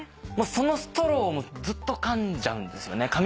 そのストローもずっとかんじゃうんですよね。